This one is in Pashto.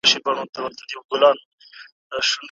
که مال عيب ولري، نو پلورونکی بايد هغه واخلي.